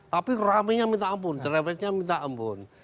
tapi rame nya minta ampun ceremetnya minta ampun